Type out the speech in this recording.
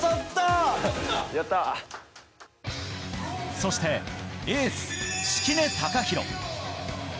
そして、エース・敷根崇裕。